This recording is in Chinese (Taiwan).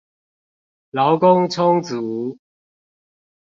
勞工充足